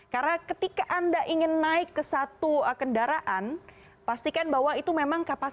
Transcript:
karena ketika anda ingin naik ke satu kendaraan pastikan bahwa itu memang kapasitas